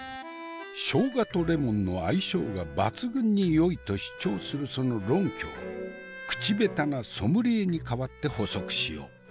生姜とレモンの相性が抜群によいと主張するその論拠を口ベタなソムリエに代わって補足しよう。